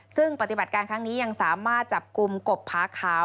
ซึ่งปฏิบัติการครั้งนี้ยังสามารถจับกลุ่มกบผาขาว